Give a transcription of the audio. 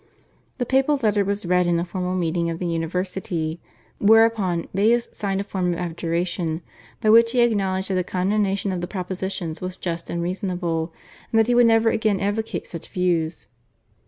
The papal letter was read in a formal meeting of the university, whereupon Baius signed a form of abjuration, by which he acknowledged that the condemnation of the propositions was just and reasonable, and that he would never again advocate such views.